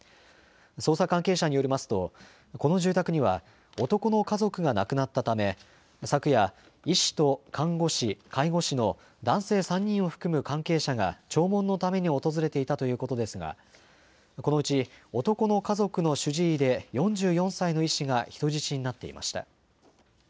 捜査関係者によりますとこの住宅には男の家族が亡くなったため昨夜、医師と看護師、介護士の男性３人を含む関係者が弔問のために訪れていたということですがこのうち男の家族の主治医で４４歳の医師が人質になっていました。